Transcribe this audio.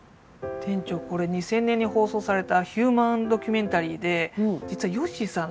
店長これ２０００年に放送されたヒューマンドキュメンタリーで実はよっしーさん